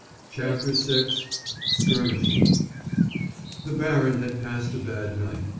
CHAPTER VI SKIRMISHING The baron had passed a bad night.